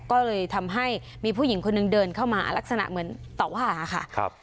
ก็เลยทำให้มีผู้หญิงคนหนึ่งเดินเข้ามาลักษณะเหมือนต่อว่าค่ะ